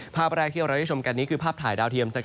ภาพแรกที่เราได้ชมกันนี้คือภาพถ่ายดาวเทียม